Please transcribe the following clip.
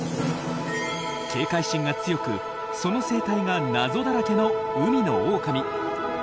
警戒心が強くその生態が謎だらけの海のオオカミ。